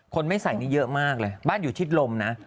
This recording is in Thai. คนไม่ใส่นี่เยอะมากเลยบ้านอยู่ชิดลมนะ